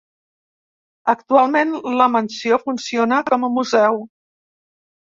Actualment la mansió funciona com a museu.